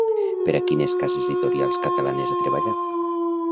Per a quines cases editorials catalanes ha treballat?